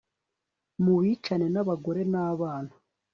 mubicane n'abagore n'abana